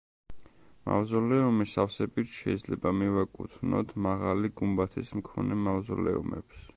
მავზოლეუმი სავსებით შეიძლება მივაკუთნოთ მაღალი გუმბათის მქონე მავზოლეუმებს.